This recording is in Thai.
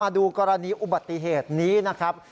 ดูกรณีอุบัติเหตุนี้นะครับ